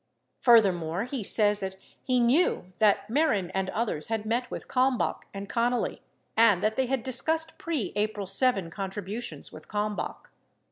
55 Furthermore, he says that he knew that Mehren and others had met with Kalmbach and Connally, and that they had discussed pre April 7 contributions with Kalmbach.